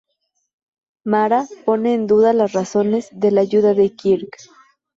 Mara pone en duda las razones de la ayuda de Kirk.